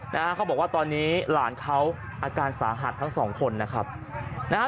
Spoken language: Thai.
นะฮะเขาบอกว่าตอนนี้หลานเขาอาการสาหัสทั้งสองคนนะครับนะฮะ